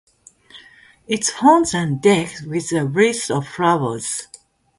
Its horns are decked with a wreath of flowers.